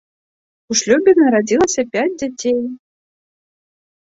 У шлюбе нарадзілася пяць дзяцей.